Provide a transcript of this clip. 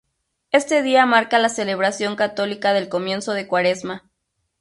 Este día marca la celebración católica del comienzo de Cuaresma.